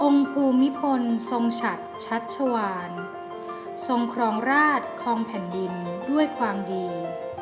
ภูมิพลทรงฉัดชัชวานทรงครองราชครองแผ่นดินด้วยความดี